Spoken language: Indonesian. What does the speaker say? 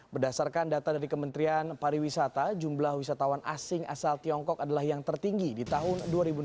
berdasarkan data dari kementerian pariwisata jumlah wisatawan asing asal tiongkok adalah yang tertinggi di tahun dua ribu enam belas